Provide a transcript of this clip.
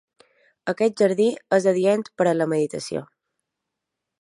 Aquest jardí és adient per a la meditació.